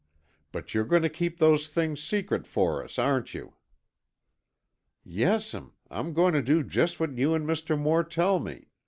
"But you're going to keep those things secret for us, aren't you?" "Yes'm, I'm going to do just what you and Mr. Moore tell me.